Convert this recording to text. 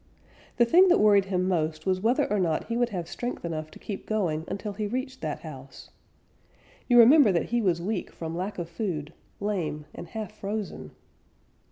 The thing that worried him most was whether or not he would have strength enough to keep going until he reached that house. You remember that he was weak from lack of food, lame, and half frozen.